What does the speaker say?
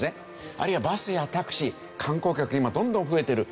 あるいはバスやタクシー観光客今どんどん増えてる。